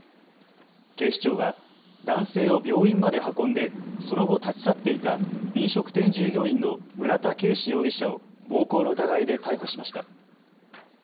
警視庁は男性を病院まで運んでその後、立ち去っていた飲食店従業員の村田圭司容疑者を暴行の疑いで逮捕しました。